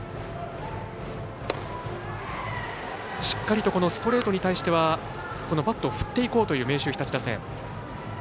しっかりとストレートに対してはバットを振っていこうという明秀日立打線。